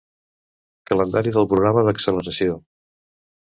Calendari del programa d'acceleració.